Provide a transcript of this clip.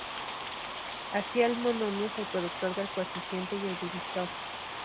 Así el monomio es el producto del coeficiente y el divisor.